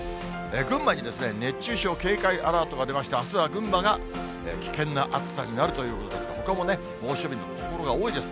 群馬に熱中症警戒アラートが出まして、あすは群馬が危険な暑さになるということですから、ほかも猛暑日の所が多いです。